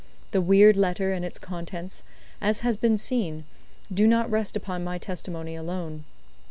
The weird letter and its contents, as has been seen, do not rest upon my testimony alone.